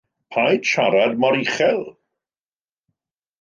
Paid siarad mor uchel.